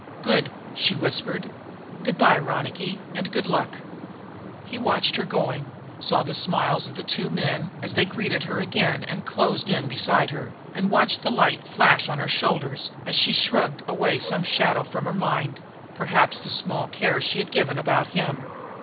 "Good!" she whispered. "Good by, Ronicky, and good luck." He watched her going, saw the smiles of the two men, as they greeted her again and closed in beside her, and watched the light flash on her shoulders, as she shrugged away some shadow from her mind perhaps the small care she had given about him.